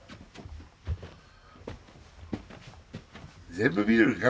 全部見るんか？